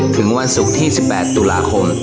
ถึงวันศุกร์ที่๑๘ตุลาคม